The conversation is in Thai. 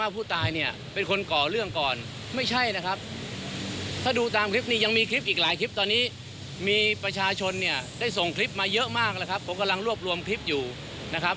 ผมกำลังรวบรวมคลิปอยู่นะครับ